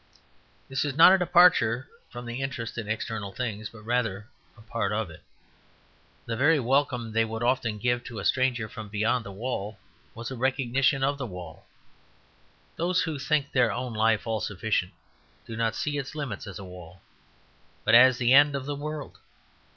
This is not a departure from the interest in external things, but rather a part of it. The very welcome they would often give to a stranger from beyond the wall was a recognition of the wall. Those who think their own life all sufficient do not see its limit as a wall, but as the end of the world.